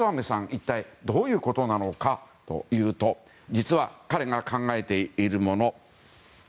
一体どういうことなのかというと実は彼が考えているもの